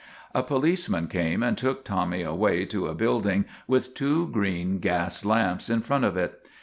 A policeman came and took Tommy away to a building with two green gas lamps in front of it.